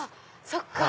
そっか！